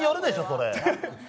それ！